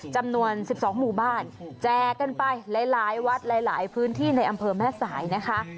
จำนวน๑๒หมู่บ้านแจกกันไปหลายวัดหลายพื้นที่ในอำเภอแม่สายนะคะ